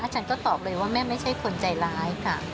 ฉันก็ตอบเลยว่าแม่ไม่ใช่คนใจร้ายค่ะ